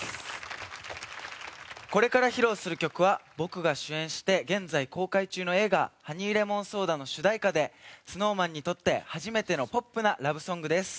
これから披露する曲は僕が主演して現在、公開中の映画「ハニーレモンソーダ」の主題歌でＳｎｏｗＭａｎにとって初めてのポップなラブソングです。